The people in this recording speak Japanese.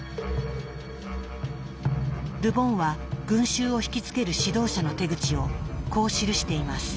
ル・ボンは群衆を惹きつける指導者の手口をこう記しています。